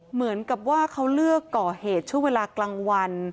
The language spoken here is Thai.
เหมือนกับว่าเขาเลือกก่อเหตุช่วงเวลากลางวัน